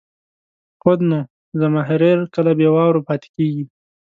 خود نو، زمهریر کله بې واورو پاتې کېږي.